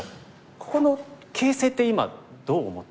ここの形勢って今どう思った？